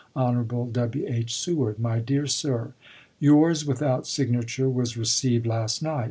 Hon. W. H. Seward. My Dear Sir : Yours without signature was received last night.